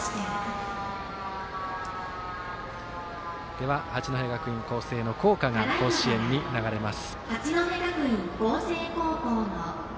では、八戸学院光星の校歌が、甲子園に流れます。